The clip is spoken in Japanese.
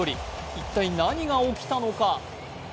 一体、何が起きたのか。